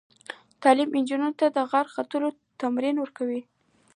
تعلیم نجونو ته د غره ختلو تمرین ورکوي.